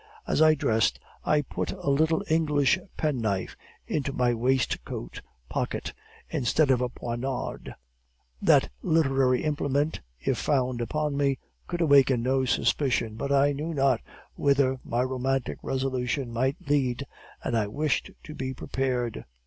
As I dressed I put a little English penknife into my waistcoat pocket, instead of a poniard. That literary implement, if found upon me, could awaken no suspicion, but I knew not whither my romantic resolution might lead, and I wished to be prepared.